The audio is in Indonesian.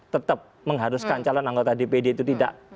tetap mengharuskan calon anggota dpd itu tidak